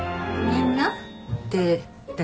「みんな」って誰？